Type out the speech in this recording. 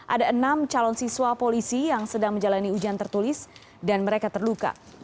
ada enam calon siswa polisi yang sedang menjalani ujian tertulis dan mereka terluka